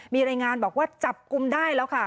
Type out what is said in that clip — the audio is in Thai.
มีรายงานบอกว่าจับกลุ่มได้แล้วค่ะ